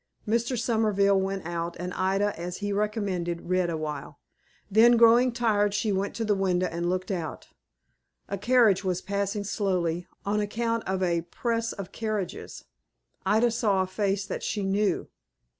Mr. Somerville went out, and Ida, as he recommended, read awhile. Then, growing tired, she went to the window and looked out. A carriage was passing slowly, on account of a press of carriages. Ida saw a face that she knew.